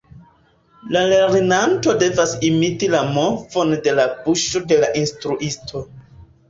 La lernanto devas imiti la movon de la buŝo de la instruisto.